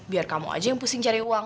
biar kamu aja yang pusing cari uang